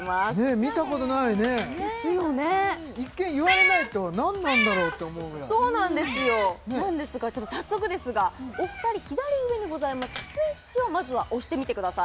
見たことないねですよね一見言われないと何なんだろうって思うぐらいそうなんですよなんですが早速ですがお二人左上にございますスイッチをまずは押してみてください